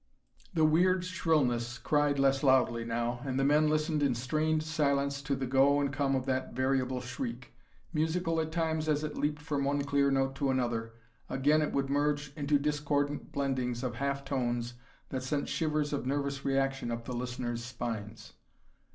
The weird shrillness cried less loudly now, and the men listened in strained silence to the go and come of that variable shriek. Musical at times as it leaped from one clear note to another, again it would merge into discordant blendings of half tones that sent shivers of nervous reaction up the listeners' spines.